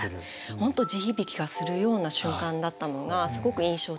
本当地響きがするような瞬間だったのがすごく印象的で。